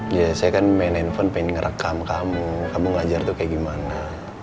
ya saya kan main handphone pengen ngerekam kamu kamu ngajar tuh kayak gimana